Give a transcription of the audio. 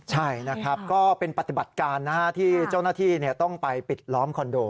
ใช่นะครับก็เป็นปฏิบัติการที่เจ้าหน้าที่ต้องไปปิดล้อมคอนโด